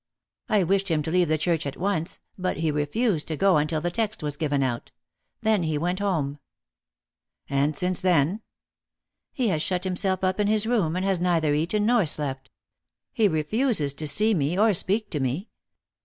I wished him to leave the church at once, but he refused to go until the text was given out. Then he went home." "And since then?" "He has shut himself up in his room, and has neither eaten nor slept. He refuses to see me or speak to me.